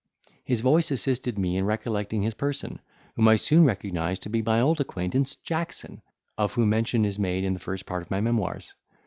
His voice assisted me in recollecting his person, whom I soon recognised to be my old acquaintance, Jackson, of whom mention is made in the first part of my memoirs.